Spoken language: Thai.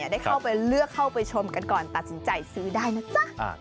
ได้เข้าไปเลือกเข้าไปชมกันก่อนตัดสินใจซื้อได้นะจ๊ะ